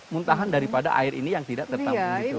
muntahan daripada air ini yang tidak tertanggung itu